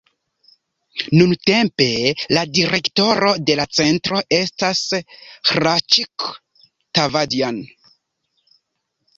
Nuntempe la direktoro de la centro estas Hraĉik Tavadjan.